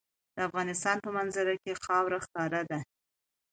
د افغانستان په منظره کې خاوره ښکاره ده.